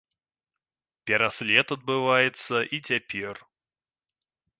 Пераслед адбываецца і цяпер.